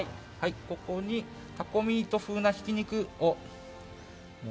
ここにタコミート風なひき肉を。